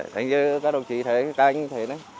thế như các đồng chí thấy các anh thấy đấy